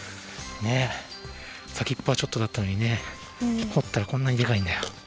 ねえ先っぽはちょっとだったのにねほったらこんなにでかいんだよ。